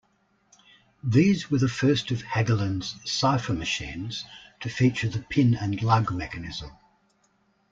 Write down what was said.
These were the first of Hagelin's cipher machines to feature the pin-and-lug mechanism.